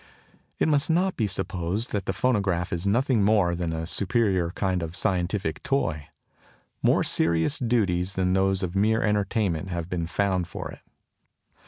It must not be supposed that the phonograph is nothing more than a superior kind of scientific toy. More serious duties than those of mere entertainment have been found for it.